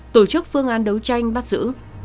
tổ chức phương án đấu tranh bắt giữ